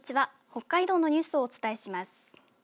北海道のニュースをお伝えします。